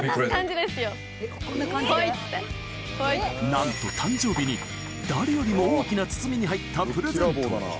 なんと誕生日に、誰よりも大きな包みに入ったプレゼントを。